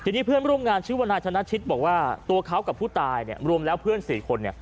ทีนี้เพื่อนร่วมงานชื่อว่านายชนะชิตบอกว่าตัวเขากับผู้ตายรวมแล้วเพื่อน๔คน